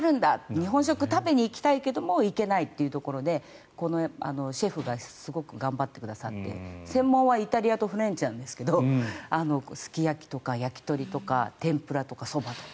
日本食食べに行きたいけど行けないというところでシェフが頑張ってくださって専門はイタリアンとフレンチなんですけどすき焼きとか焼き鳥とかてんぷらとかそばとか。